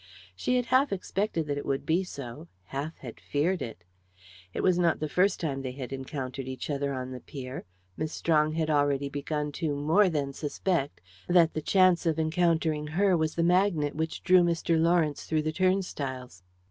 She had half expected that it would be so half had feared it. It was not the first time they had encountered each other on the pier; Miss Strong had already begun to more than suspect that the chance of encountering her was the magnet which drew Mr. Lawrence through the turnstiles.